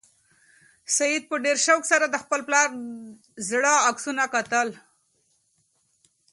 سعید په ډېر شوق سره د خپل پلار زاړه عکسونه کتل.